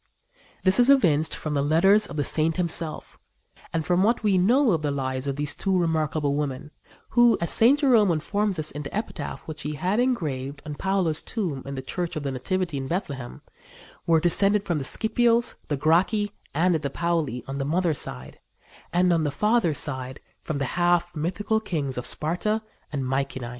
This is evinced from the letters of the saint himself and from what we know of the lives of these two remarkable women, who, as St. Jerome informs us in the epitaph which he had engraved on Paula's tomb in the Church of the Nativity in Bethlehem, were descended from the Scipios, the Gracchi and the Pauli on the mother's side, and on the father's side from the half mythical kings of Sparta and Mycenæ.